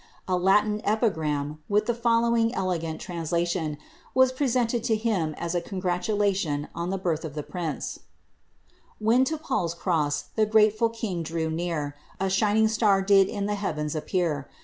A Latin epigram, with the following elegant translation, was presented to him as a congratulation on the birth of the prince :— Wben to PBufs Cross the grateful king drew near, A sliining star cliil in tlie heavens oppeur.